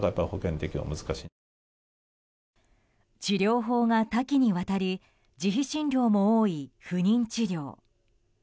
治療法が多岐にわたり自費診療も多い不妊治療。